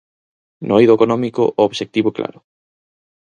No eido económico, o obxectivo é claro.